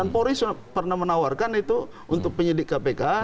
polri pernah menawarkan itu untuk penyidik kpk